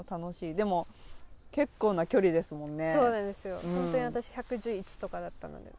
でも、結構な距離ですもんね。